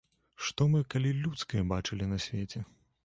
Што мы калі людскае бачылі на свеце?